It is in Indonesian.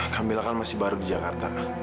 kamila kan masih baru di jakarta